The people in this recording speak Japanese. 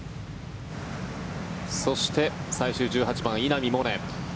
そして、最終１８番稲見萌寧。